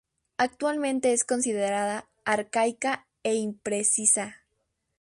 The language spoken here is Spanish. Actualmente es considerada arcaica e imprecisa.